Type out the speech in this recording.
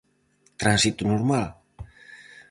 Tránsito normal?